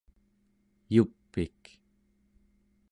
yup'ik